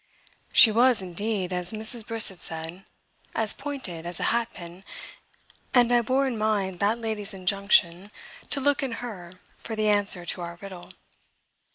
She was indeed, as Mrs. Briss had said, as pointed as a hat pin, and I bore in mind that lady's injunction to look in her for the answer to our riddle.